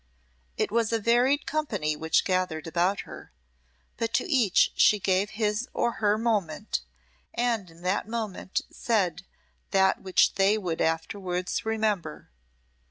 It was a varied company which gathered about her; but to each she gave his or her moment, and in that moment said that which they would afterwards remember.